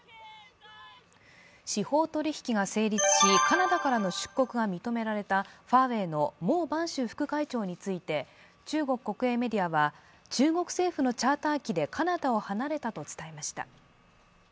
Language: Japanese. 司法取引が成立しカナダからの出国が認められたファーウェイの孟晩舟副会長について、中国国営メディアは中国政府のチャーター機でカナダを離れたと伝えました。